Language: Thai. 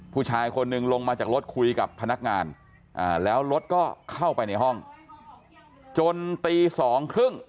ผู้ชายคนนึงลงมาจากรถคุยกับพนักงานแล้วรถก็เข้าไปในห้องจนตีสองครึ่ง